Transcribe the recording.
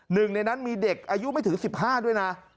หนึ่งในนั้นมีเด็กอายุไม่ถึง๑๕ด้วยนะ